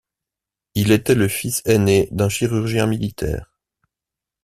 Il était le fils aîné d'un chirurgien militaire.